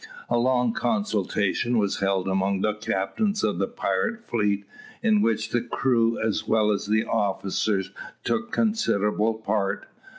A long consultation was held among the captains of the pirate fleet, in which the crews as well as the officers took considerable part.